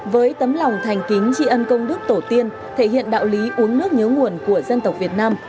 với tấm lòng thành kính tri ân công đức tổ tiên thể hiện đạo lý uống nước nhớ nguồn của dân tộc việt nam